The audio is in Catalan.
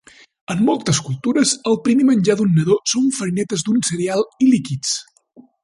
En moltes cultures, el primer menjar d'un nadó son farinetes d'un cereal i líquids.